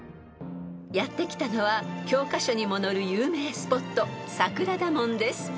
［やって来たのは教科書にも載る有名スポット桜田門です］